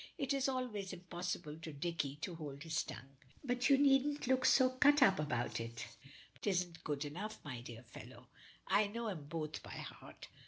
It is always impossible to Dicky to hold his tongue. "But you needn't look so cut up about it. 'Tisn't good enough, my dear fellow. I know 'em both by heart.